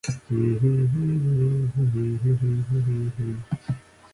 The first eight s were armed with Trident One missiles.